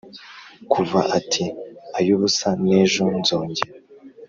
kuva ati « ay'ubusa n'ejo nzongera »